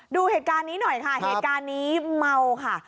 ดูเหตุการณ์นี้หน่อยค่ะเหตุการณ์นี้เมาค่ะ